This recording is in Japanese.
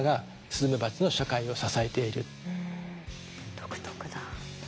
独特だ。